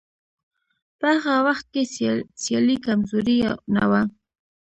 په هغه وخت کې سیالي کمزورې یا نه وه.